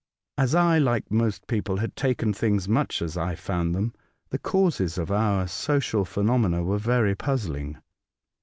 As I, like most people, had taken things much as I found them, the causes of our social phenomena were very. puzzling.